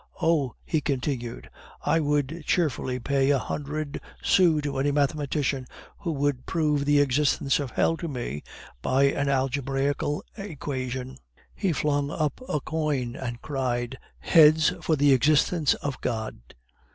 Oh," he continued, "I would cheerfully pay a hundred sous to any mathematician who would prove the existence of hell to me by an algebraical equation." He flung up a coin and cried: "Heads for the existence of God!"